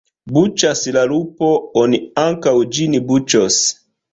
Buĉas la lupo, oni ankaŭ ĝin buĉos.